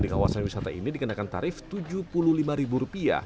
di kawasan wisata ini dikenakan tarif rp tujuh puluh lima